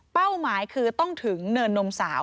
หมายคือต้องถึงเนินนมสาว